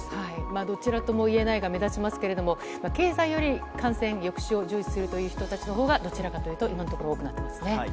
どちらとも言えないが目立ちますけれども、経済より感染抑止を重視するという人たちのほうが、どちらかというと今のところ多くなっていますね。